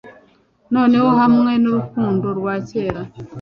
noneho, hamwe nurukundo rwa kera